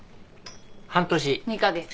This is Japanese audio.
半年。